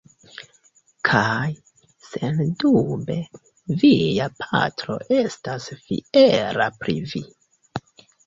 Kaj, sendube, via patro estas fiera pri vi.